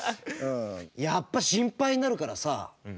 やっぱ心配になるからさ